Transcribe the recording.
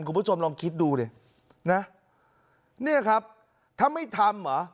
คุณผู้ชมลองคิดดูดินะเนี่ยครับถ้าไม่ทำเหรอ